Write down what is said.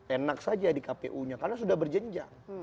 enak saja di kpu nya karena sudah berjenjang